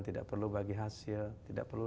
tidak perlu bagi hasil tidak perlu